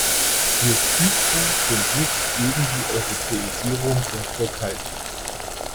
Wir Zyprer sind nicht gegen die Europäisierung der Türkei.